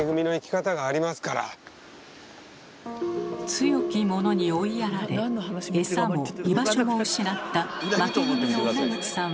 強き者に追いやられエサも居場所も失ったウナグチさん！